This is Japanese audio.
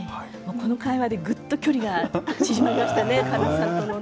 この会話で、ぐっと距離が縮まりましたね、神木さんとの。